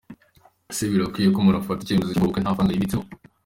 Ese birakwiye ko umuntu afata icyemezo cyo gukora ubukwe nta faranga yibitseho ?.